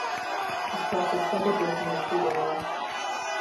This class is further broken into three orders.